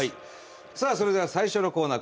さあそれでは最初のコーナー。